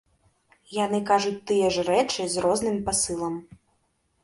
Яны кажуць тыя ж рэчы з розным пасылам.